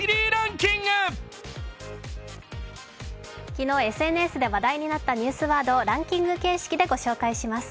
昨日、ＳＮＳで話題になったニュースワードをランキング形式で紹介します。